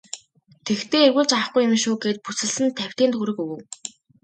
Тэгэхдээ эргүүлж авахгүй юм шүү гээд бүсэлсэн тавьтын төгрөг өгөв.